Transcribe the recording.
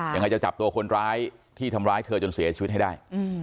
จะจับตัวคนร้ายที่ทำร้ายเธอจนเสียชีวิตให้ได้